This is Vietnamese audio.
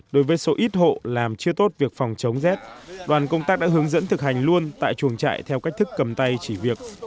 đối với số ít hộ làm chưa tốt việc phòng chống rét đoàn công tác đã hướng dẫn thực hành luôn tại chuồng trại theo cách thức cầm tay chỉ việc